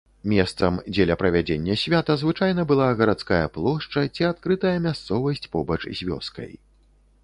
Месцам дзеля правядзення свята звычайна была гарадская плошча ці адкрытая мясцовасць побач з вёскай.